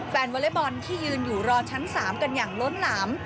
วอเล็กบอลที่ยืนอยู่รอชั้น๓กันอย่างล้นหลาม